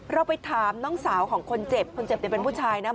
เราไปถามน้องสาวของคนเจ็บคนเจ็บเนี่ยเป็นผู้ชายนะ